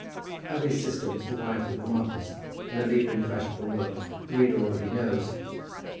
How his sister was the wife of a marquis, and a leader in the fashionable world, the reader already knows.